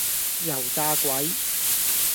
油炸鬼